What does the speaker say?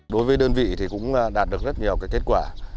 đối với đơn vị thì cũng đạt được rất nhiều kết quả